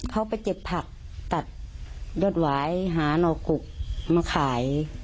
เขาไปเก็บผักตัดยอดหวายหานอกกุกมาขาย